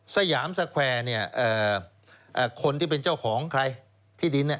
สยามสเวอร์คนที่เป็นเจ้าของใครที่ดิน